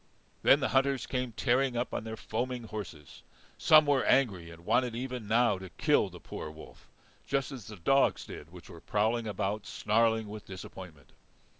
Then the hunters came tearing up on their foaming horses. Some were angry, and wanted even now to kill the poor wolf, just as the dogs did which were prowling about snarling with disappointment.